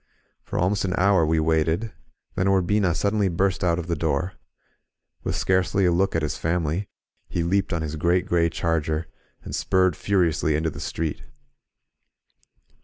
For almost an hour we waited, then Ur bina suddenly burst out of the door. With scarcely a look at his family, he leaped on his great, gray charger, and spurred furiously into the street.